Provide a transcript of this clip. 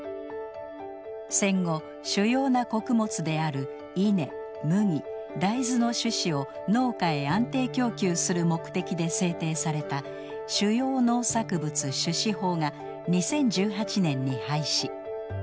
戦後主要な穀物である稲・麦・大豆の種子を農家へ安定供給する目的で制定された「主要農作物種子法」が２０１８年に廃止。